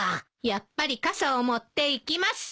やっぱり傘を持っていきます。